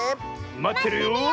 まってるよ！